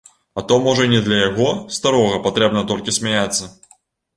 А то можа і не для яго, старога, патрэбна толькі смяяцца!